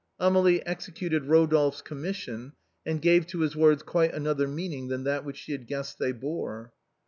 Amélie executed Eodolphe's commission, and gave to his words quite another meaning than that which she had guessed they bore.